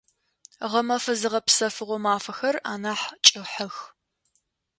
Гъэмэфэ зыгъэпсэфыгъо мафэхэр анахь кӏыхьэх.